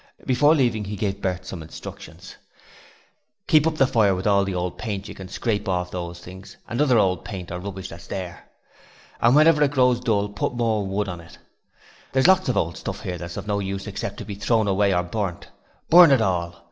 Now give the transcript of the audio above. Before leaving he gave Bert some instructions: 'Keep up the fire with all the old paint that you can scrape off those things and any other old paint or rubbish that's here, and whenever it grows dull put more wood on. There's a lot of old stuff here that's of no use except to be thrown away or burnt. Burn it all.